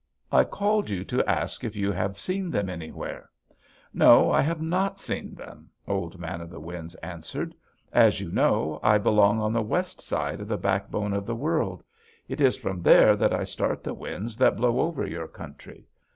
I called you to ask if you have seen them anywhere?' "'No, I have not seen them,' Old Man of the Winds answered. 'As you know, I belong on the west side of this Backbone of the World. It is from there that I start the winds that blow over your country.